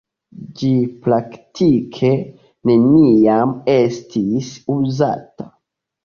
Ĝi praktike neniam estis uzata.